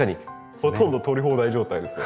ほとんど取り放題状態ですね。